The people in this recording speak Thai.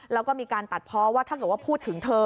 แล้วก็มีการตัดเพราะว่าถ้าเกิดว่าพูดถึงเธอ